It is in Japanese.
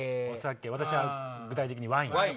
私は具体的にワイン。